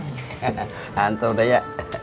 nanti udah ya